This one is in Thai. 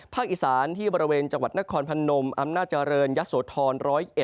อีสานที่บริเวณจังหวัดนครพนมอำนาจเจริญยะโสธร๑๐๑